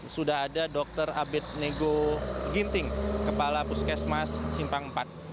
sudah ada dr abed nego ginting kepala puskesmas simpang empat